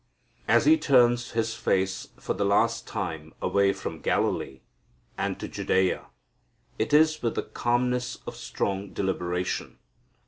As He turns His face for the last time away from Galilee, and to Judea, it is with the calmness of strong deliberation.